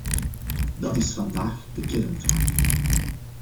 Dat is vandaag de kernvraag.